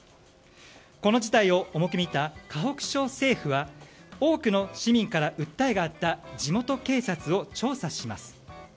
この事態を重く見た河北省政府は多くの市民から訴えがあった地元警察を調査します。